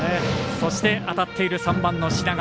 そして、当たっている３番の品川。